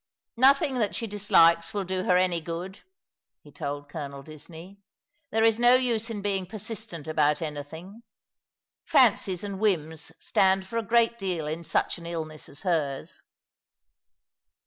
" Nothing that she dislikes will do her any good," he told Colonel Disney. '^ There is no use in being persistent about anything. Fancies and whims stand for a great deal in such an illness as hers."